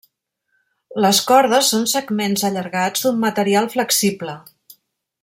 Les cordes són segments allargats d'un material flexible.